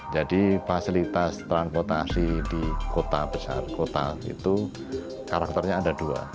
jadi fasilitas transportasi di kota besar kota itu karakternya ada dua